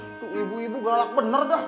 untuk ibu ibu galak bener dah